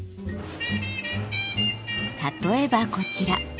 例えばこちら。